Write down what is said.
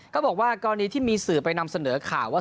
ก็บอกว่ากรณีที่มีสื่อไปนำเสนอข่าวว่า